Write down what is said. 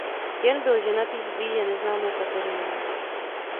Jan byl ženatý s blíže neznámou Kateřinou.